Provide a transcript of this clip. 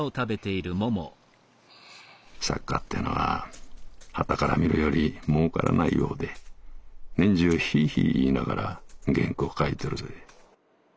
「作家ってェのは端から見るより儲からないようで年中ひぃひぃ言いながら原稿書いてるぜ」。